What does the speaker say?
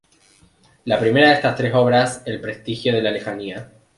La primera de estas tres obras, "El prestigio de la lejanía.